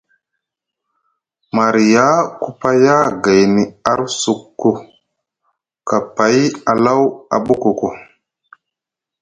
Marya ku paya gayni arcukku, kapay Alaw a ɓukuku.